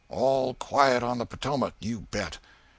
All quiet on the Potomac, you bet!